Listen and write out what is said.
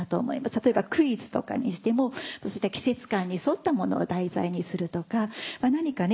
例えばクイズとかにしても季節感に沿ったものを題材にするとか何かね